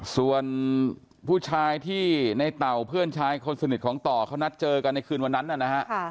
ส่วนผู้ชายที่ในเต่าเพื่อนชายคนสนิทของต่อเขานัดเจอกันในคืนวันนั้นนะฮะ